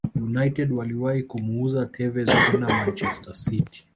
United waliwahi kumuuza Tevez kwenda manchester City